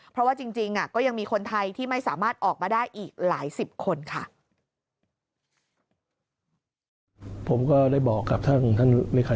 เพราะว่าจริงก็ยังมีคนไทยที่ไม่สามารถออกมาได้อีกหลายสิบคนค่ะ